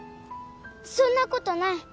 そんなことない